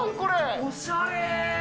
おしゃれー。